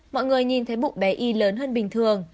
mọi người nhìn thấy bụng bé y lớn hơn bình thường